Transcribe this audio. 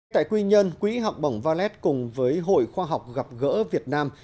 tại quy nhơn quỹ học bổng valet cùng với hội khoa học gặp gỡ việt nam